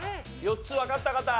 ４つわかった方？